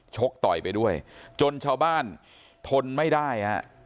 ชกต่อยไปด้วยจนชาวบ้านทนไม่ได้ฮะ